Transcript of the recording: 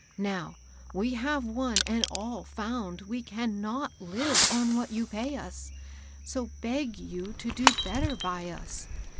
Now, we have one and all found we can not live on what you pay us, — so beg you to do better by us.